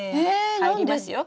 入りますよ。